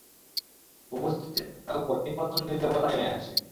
উপস্থিত জনতার উপর পিন-পতন নীরবতা নেমে আসে।